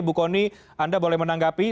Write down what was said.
bu kony anda boleh menanggapi